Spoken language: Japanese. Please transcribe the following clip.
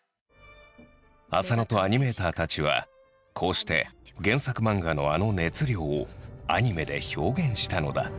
浅野とアニメーターたちはこうして原作漫画のあの熱量をアニメで表現したのだ。